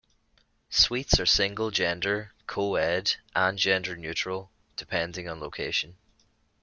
Suites are single gender, co-ed and gender neutral, depending on location.